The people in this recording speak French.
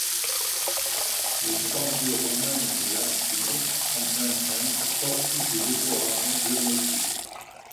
Les trois baies romanes de l'abside, en plein cintre, portent des décorations géométriques.